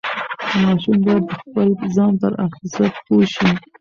ماشوم باید د خپل ځان پر ارزښت پوه شي.